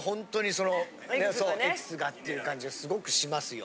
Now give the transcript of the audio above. そうエキスがっていう感じがすごくしますよ。